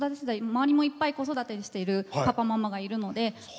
回りもいっぱい、子育てしているパパ、ママがいるので。